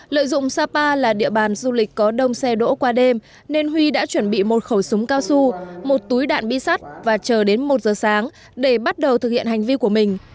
lợi dụng sapa là địa bàn du lịch có đông xe đỗ qua đêm nên huy đã chuẩn bị một khẩu súng cao su một túi đạn bi sắt và chờ đến một giờ sáng để bắt đầu thực hiện hành vi của mình